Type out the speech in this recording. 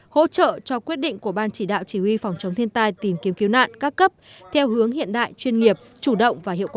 hỗ trợ cho quyết định của ban chỉ đạo chỉ huy phòng chống thiên tai tìm kiếm cứu nạn các cấp theo hướng hiện đại chuyên nghiệp chủ động và hiệu quả